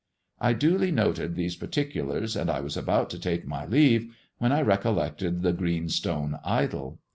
I duly noted these particulars, and I was about to take my leave, when I recollected the green stone idol.